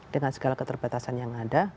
dengan segala keterbatasan yang ada